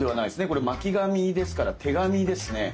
これ巻紙ですから手紙ですね。